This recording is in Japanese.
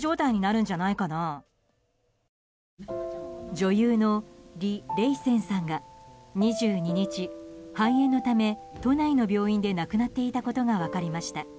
女優の李麗仙さんが２２日、肺炎のため都内の病院で亡くなっていたことが分かりました。